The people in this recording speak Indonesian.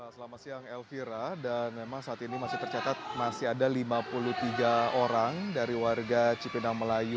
selamat siang elvira dan memang saat ini masih tercatat masih ada lima puluh tiga orang dari warga cipinang melayu